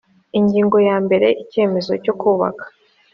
ingingo ya mbere icyemezo cyo kubaka